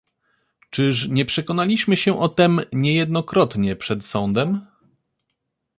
"Czyż nie przekonaliśmy się o tem niejednokrotnie przed sądem?"